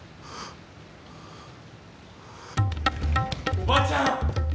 おばちゃん。